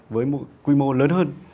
với một quy mô lớn hơn